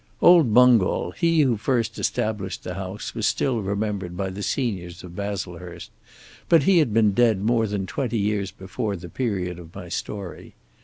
Old Bungall, he who first established the house, was still remembered by the seniors of Baslehurst, but he had been dead more than twenty years before the period of my story.